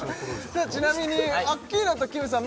ちなみにアッキーナときむさん